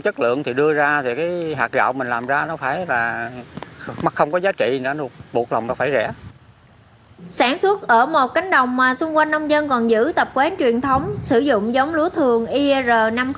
sản xuất ở một cánh đồng mà xung quanh nông dân còn giữ tập quán truyền thống sử dụng giống lúa thường ir năm mươi nghìn bốn trăm linh bốn